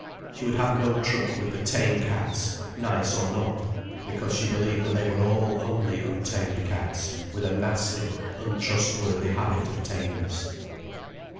She would have no truck with the tame cats, nice or not, because she believed that they were all only untamed cats with a nasty, untrustworthy habit of tameness.